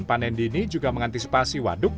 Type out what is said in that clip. panen dini juga mengantisipasi waduk